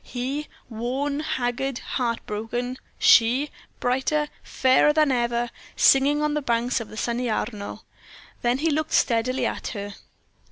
He, worn, haggard, heartbroken; she, brighter, fairer than ever, singing on the banks of the sunny Arno. Then he looked steadily at her.